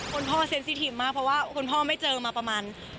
คุณพ่อเซ็นซี่ทีมมากเพราะว่าคุณพ่อไม่เจอมาประมาณ